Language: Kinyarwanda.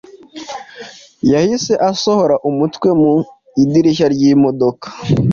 yahise asohora umutwe mu idirishya ry’imodoka